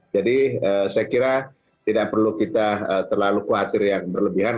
jadi saya kira tidak perlu kita terlalu khawatir yang berlebihan